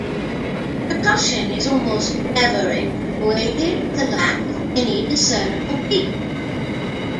Percussion is almost never incorporated, with a lack of any discernible beat.